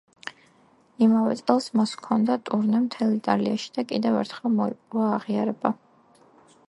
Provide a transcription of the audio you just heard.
იმავე წელს მას ჰქონდა ტურნე მთელ იტალიაში და კიდევ ერთხელ მოიპოვა აღიარება.